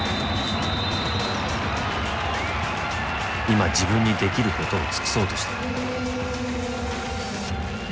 今自分にできることを尽くそうとした。